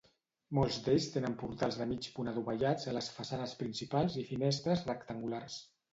Molts d'ells tenen portals de mig punt adovellats a les façanes principals i finestres rectangulars.